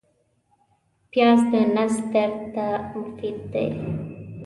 پیاز د نس درد ته مفید دی